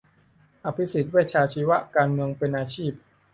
อภิสิทธิ์ เวชชาชีวะ การเมืองเป็นอาชีพ